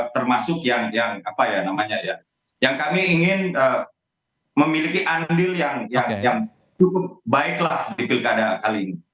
termasuk yang apa ya namanya ya yang kami ingin memiliki andil yang cukup baiklah di pilkada kali ini